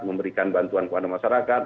memberikan bantuan kepada masyarakat